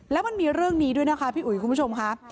แล้วมันมีเรื่องนี้ด้วยนะคะพี่อุ๋ยคุณผู้ชมค่ะ